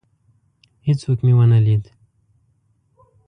هیڅوک مي ونه لید.